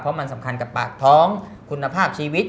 เพราะมันสำคัญกับปากท้องคุณภาพชีวิต